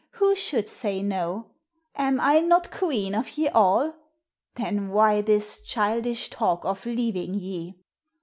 Who should say no? Am I not queen of ye all? Then why this childish talk of leaving ye?"